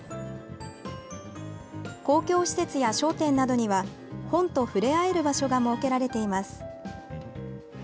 公共施設や商店などには本と触れ合える場所が設けられています。